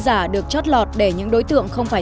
giả được chót lọt để những đối tượng không phải